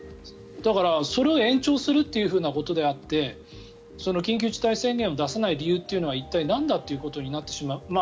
だから、それを延長するということであって緊急事態宣言を出さない理由というのは一体、なんだということになってしまう。